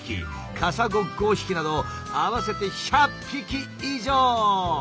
カサゴ５匹など合わせて１００匹以上！